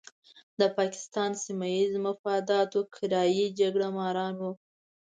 د پاکستان سیمه ییزو مفاداتو کرایي جګړه ماران وو.